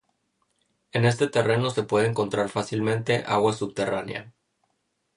En este terreno se puede encontrar fácilmente agua subterránea.